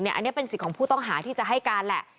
อันนี้เป็นสิทธิ์ของผู้ต้องหาที่จะให้การแหละ